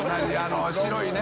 韻白いね？